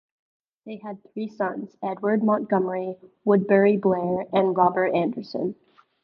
They had three sons: Edward Montgomery, Woodbury Blair, and Robert Anderson.